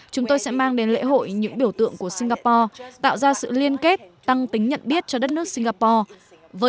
chúng tôi sẽ mang đến lễ hội những biểu tượng của singapore tạo ra sự liên kết tăng tính nhận biết cho đất nước singapore